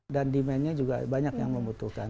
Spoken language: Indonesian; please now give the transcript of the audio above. dan demandnya juga banyak yang membutuhkan